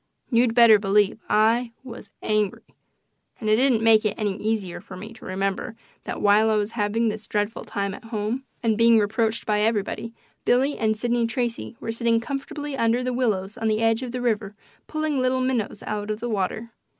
You'd better believe I was angry. And it didn't make it any easier for me to remember that while I was having this dreadful time at home, and being reproached by everybody. Billy and Sidney Tracy were sitting comfortably under the willows on the edge of the river pulling little minnows out of the water.